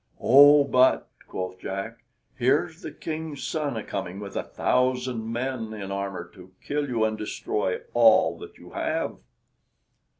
"Oh, but," quoth Jack, "here's the King's son a coming with a thousand men in armor to kill you and destroy all that you have!"